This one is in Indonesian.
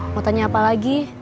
mau tanya apa lagi